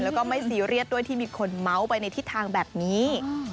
แล้วก็ไม่ซีเรียสด้วยที่มีคนเมาส์ไปในทิศทางแบบนี้